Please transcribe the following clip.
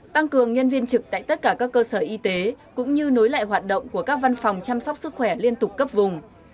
tăng cường nhân viên trực tại tất cả các cơ sở y tế cũng như nối lại hoạt động của các văn phòng chăm sóc sức khỏe liên tục cấp vùng